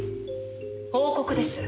報告です。